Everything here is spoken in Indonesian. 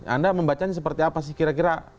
anda membacanya seperti apa sih kira kira